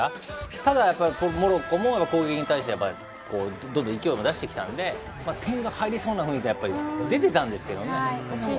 ただ、モロッコも攻撃に対してどんどん勢いを出してきたんで点が入りそうな雰囲気は出てたんですけどね。